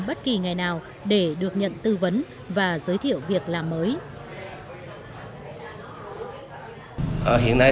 bất kỳ ngày nào để được nhận tư vấn và giới thiệu việc làm mới